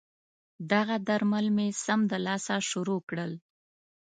دغه درمل مې سمدلاسه شروع کړل.